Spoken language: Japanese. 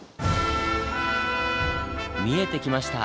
見えてきました！